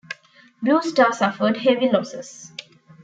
Blue Star suffered heavy losses.